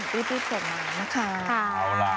พี่อี๋พี่สวนมา